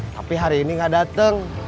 tapi hari ini gak datang